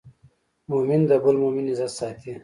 مؤمن د بل مؤمن عزت ساتي.